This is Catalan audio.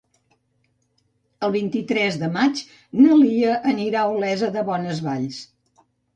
El vint-i-tres de maig na Lia anirà a Olesa de Bonesvalls.